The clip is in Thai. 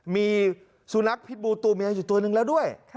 มีสุนัขภิกษ์บูตูแม่อยู่ตัวนึงแล้วด้วย